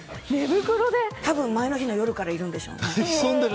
多分、前の日の夜からいるんでしょうね。